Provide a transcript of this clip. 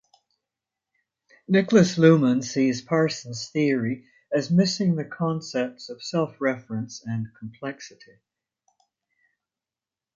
Niklas Luhmann sees Parsons' theory as missing the concepts of self-reference and complexity.